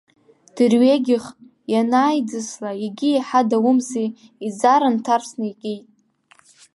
Дырҩегьых ианааидысла, егьи еиҳа даумзи, иӡара нҭарсны икит.